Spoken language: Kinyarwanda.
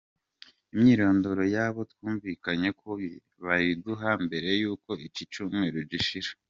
Imyirondoro yabo twumvikanye ko bayiduha mbere y’uko iki cyumweru gishira.